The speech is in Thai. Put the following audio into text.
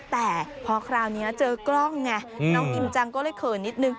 แต่พอคราวนี้เจอกล้องไงน้องอิ่มจังก็เลยเขินนิดนึง